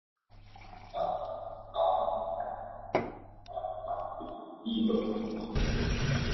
The southeast town line is marked by Beaver Creek.